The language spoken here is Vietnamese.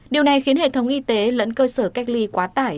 điều này khiến hệ thống y tế lẫn cơ sở cách ly quá tải